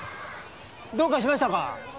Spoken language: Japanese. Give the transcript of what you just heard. どうかしましたか？